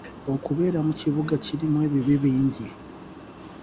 Okubeera mu kibuga kirimu ebibi bingi .